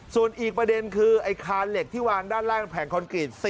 ส่วนอีกประเด็นคือไอ้คานเหล็กที่วางด้านล่างแผงคอนกรีต